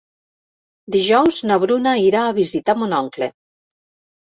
Dijous na Bruna irà a visitar mon oncle.